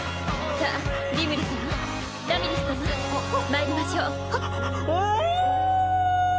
さぁリムル様ラミリス様まいりましょう。